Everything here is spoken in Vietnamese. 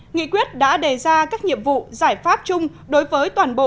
nghị quyết đã đề ra các nhiệm vụ giải pháp chung đối với toàn bộ